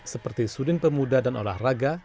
seperti sudin pemuda dan olah raga